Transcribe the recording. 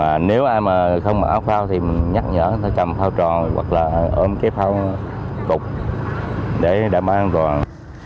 đầy đủ còn nếu ai mà không mở áo phao thì mình nhắc nhở phải cầm phao tròn hoặc là ôm cái phao cục để đảm bảo an toàn